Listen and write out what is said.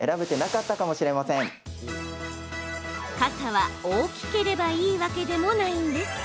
傘は大きければいいわけでもないんです。